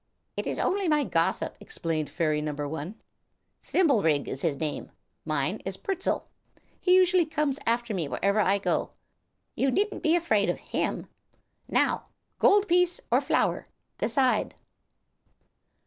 "It is only my gossip," explained fairy number one. "Thimblerig is his name. Mine is Pertzal. He usually comes after me wherever I go. You needn't be afraid of him. Now, gold piece or flower decide."